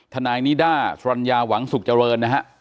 ทนายนิด้าสรรญาหวังสุขเจริญนะฮะ